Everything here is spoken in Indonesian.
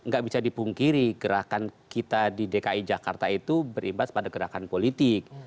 gak bisa dipungkiri gerakan kita di dki jakarta itu berimbas pada gerakan politik